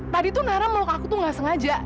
tadi tuh nara meluk aku tuh nggak sengaja